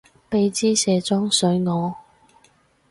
畀枝卸妝水我